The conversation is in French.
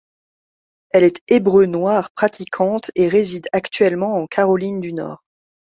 Elle est hébreux noire pratiquante et réside actuellement en Caroline du Nord.